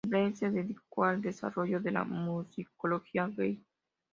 Brett se dedicó al desarrollo de la musicología gay.